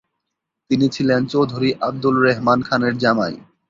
তিনি ছিলেন চৌধুরী আবদুল রেহমান খানের জামাই।